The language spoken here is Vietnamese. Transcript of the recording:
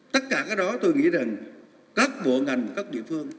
tất cả cái đó tôi nghĩ rằng các bộ ngành các địa phương